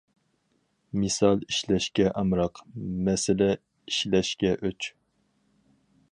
مىسال ئىشلەشكە ئامراق، مەسىلە ئىشلەشكە ئۆچ.